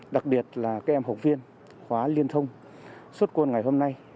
đặc biệt là các em học viên khóa liên thông xuất quân ngày hôm nay